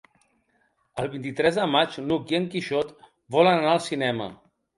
El vint-i-tres de maig n'Hug i en Quixot volen anar al cinema.